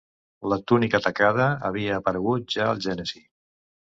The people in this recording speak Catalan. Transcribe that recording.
La túnica tacada havia aparegut ja al Gènesi.